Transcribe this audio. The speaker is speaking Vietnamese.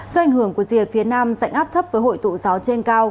do ảnh hưởng của rìa phía nam dạnh áp thấp với hội tụ gió trên cao